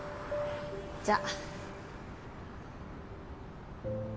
じゃあ。